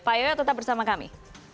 pak yoyo tetap bersama kami